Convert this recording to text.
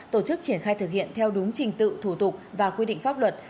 tổ chức triển khai thực hiện theo đúng trình tự thủ tục và quy định pháp luật